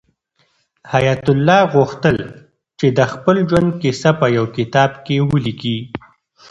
حیات الله غوښتل چې د خپل ژوند کیسه په یو کتاب کې ولیکي.